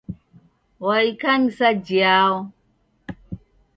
Wa ikanisa jhiao?